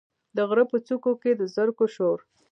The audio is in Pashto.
د غره په څوکو کې، د زرکو شور،